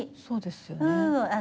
そうですよね。